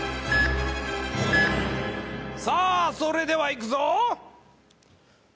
さあ、それではいくぞ！